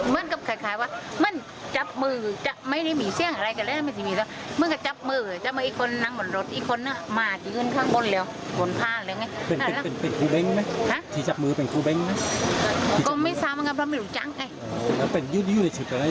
เมื่อนงั้นก็จุดดีคนักเรียนมาจุดพิกัดจุดภาระและจุดฟาวนี่